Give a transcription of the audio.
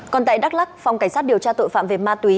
còn tại đắk lắc phòng cảnh sát điều tra tội phạm về ma túy